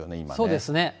そうですね。